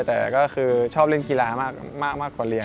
แต่ก็คือชอบเล่นกีฬามากกว่าเรียน